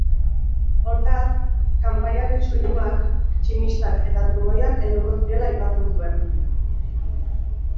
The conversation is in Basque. Hortaz, kanpaiaren soinuak tximistak eta trumoiak helduko zirela aipatzen zuen.